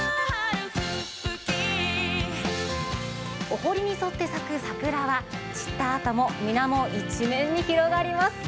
お堀に沿って咲く桜は散ったあとも水面一面に広がります。